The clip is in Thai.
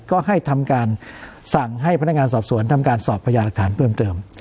ก็ให้ทำการสั่งให้พนักงานสอบสวนทำการสอบพญาหลักฐานเพิ่มเติม